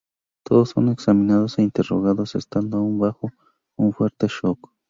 Todos son examinados e interrogados estando aún bajo un fuerte shock.